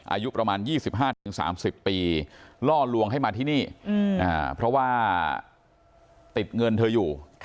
อายุประมาณ๒๕๓๐ปีล่อลวงให้มาที่นี่เพราะว่าติดเงินเธออยู่